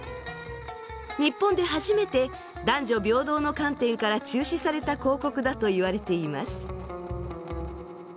日本で初めて男女平等の観点から中止された広告だといわれています。